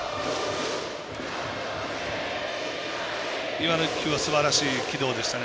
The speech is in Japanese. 今の１球はすばらしい軌道でしたね。